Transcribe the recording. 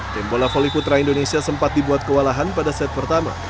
tim bola volley putra indonesia sempat dibuat kewalahan pada set pertama